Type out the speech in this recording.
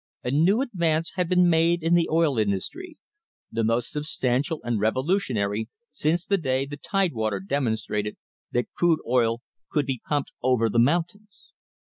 A new advance had been made in the oil industry the most substantial and revo lutionary since the day the Tidewater demonstrated that crude oil could be pumped over the mountains.